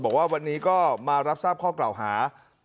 บอกว่าวันนี้ก็มารับทราบข้อกล่าวหา